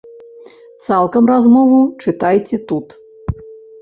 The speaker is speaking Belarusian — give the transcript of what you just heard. Цалкам размову чытайце тут.